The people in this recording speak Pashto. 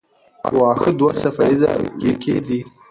واښه دوه څپه ایزه وییکي دي.